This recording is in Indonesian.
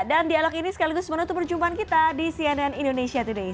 dan dialog ini sekaligus semoga menutup perjumpaan kita di cnn indonesia today